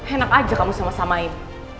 enak aja kamu sama samain